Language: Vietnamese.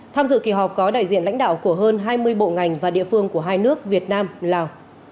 tham dự kỳ họp có đại diện lãnh đạo của hơn hai mươi bộ ngành và địa phương của hai nước việt nam lào